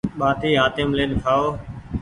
ٻآٽي هآتيم لين کآئو۔